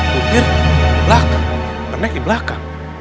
kupir belakang penek di belakang